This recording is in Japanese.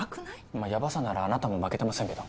まあヤバさならあなたも負けてませんけど。